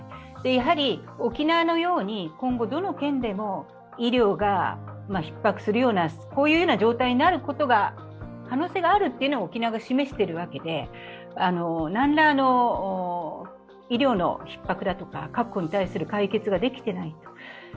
やはり沖縄のように今後、どの県でも医療がひっ迫するようなこういうような状態になる可能性があるっていうのを沖縄が示しているわけで何ら、医療のひっ迫だとか確保に対する解決ができていない。